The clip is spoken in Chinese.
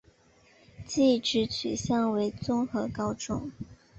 技职取向为综合高中。